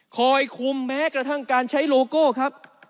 คอยคุมแม้กระทั่งการใช้โลโก้ครับ